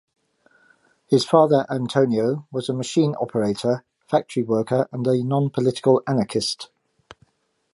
His father, Antonio, was a machine operator, factory worker and a nonpolitical anarchist.